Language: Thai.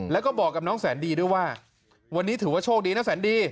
แล้วก็บอกกับน้องแสนดีด้วยว่าวันนี้ถือว่าโชคดีนะแสนดี